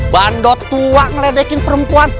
bandot tua ngeledekin perempuan